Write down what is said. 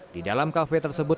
di dalam kafe tersebut